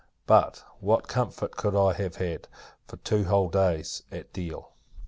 But, what comfort could I have had, for two whole days, at Deal?